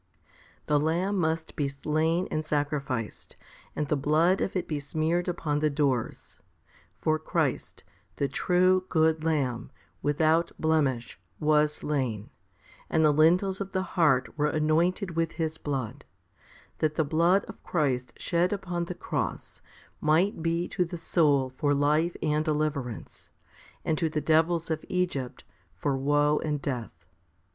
8. The lamb must be slain and sacrificed, and the blood of it be smeared upon the doors : for Christ, the true, good Lamb, without blemish, was slain, and the lintels of the heart were anointed with His blood, that the blood of Christ shed upon the cross might be to the soul for life and deliverance, and to the devils of Egypt for woe and death.